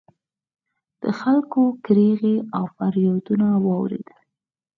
د خلکو کریغې او فریادونه واورېدل